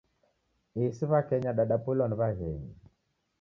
Isi w'akenya dadapoilwa ni w'aghenyi.